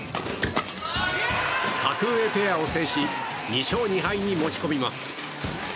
格上ペアを制し２勝２敗に持ち込みます。